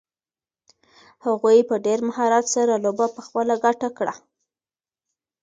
هغوی په ډېر مهارت سره لوبه په خپله ګټه کړه.